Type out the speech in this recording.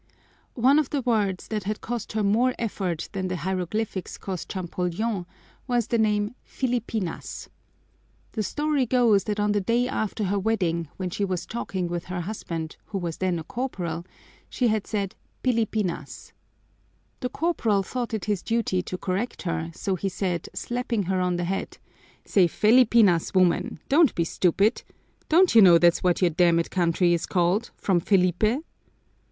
One of the words that had cost her more effort than the hieroglyphics cost Champollion was the name Filipinas. The story goes that on the day after her wedding, when she was talking with her husband, who was then a corporal, she had said Pilipinas. The corporal thought it his duty to correct her, so he said, slapping her on the head, "Say Felipinas, woman! Don't be stupid! Don't you know that's what your damned country is called, from _Felipe?